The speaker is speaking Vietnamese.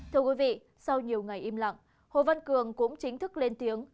thưa quý vị sau nhiều ngày im lặng hồ văn cường cũng chính thức lên tiếng